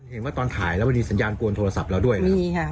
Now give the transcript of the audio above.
เห็นว่าตอนถ่ายแล้วมันมีสัญญาณกวนโทรศัพท์เราด้วยนะครับ